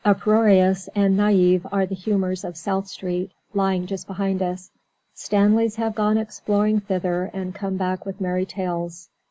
Uproarious and naïve are the humours of South Street, lying just behind us. Stanleys have gone exploring thither and come back with merry tales.